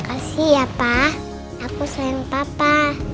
terima kasih ya pa aku sayang papa